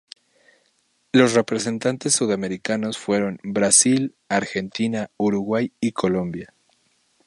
Los representantes sudamericanos fueron: Brasil, Argentina, Uruguay y Colombia.